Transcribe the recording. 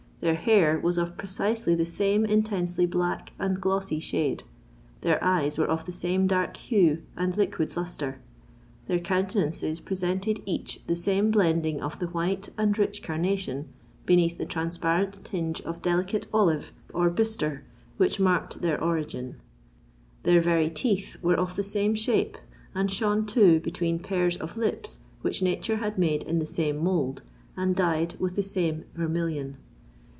Their hair was of precisely the same intensely black and glossy shade: their eyes were of the same dark hue and liquid lustre;—their countenances presented each the same blending of the white and rich carnation beneath the transparent tinge of delicate olive or bistre which marked their origin; their very teeth were of the same shape, and shone, too, between pairs of lips which Nature had made in the same mould, and dyed with the same vermillion.